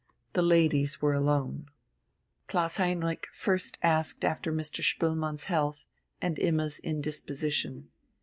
The ladies were alone. Klaus Heinrich first asked after Mr. Spoelmann's health and Imma's indisposition.